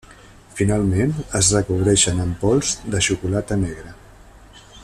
Finalment es recobreixen amb pols de xocolata negra.